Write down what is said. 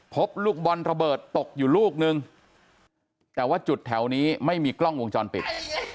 พบลูกบอลระเบิดตกอยู่ลูกนึงแต่ว่าจุดแถวนี้ไม่มีกล้องวงจรปิด